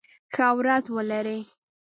ښه ورځ ولری